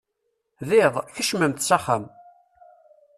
D iḍ, kecmemt s axxam.